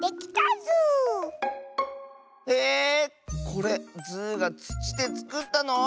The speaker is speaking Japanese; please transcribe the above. これズーがつちでつくったの？